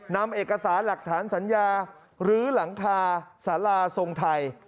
นำเอกสารหลักฐานสัญญาหรือหลังคาสาราทรงไทย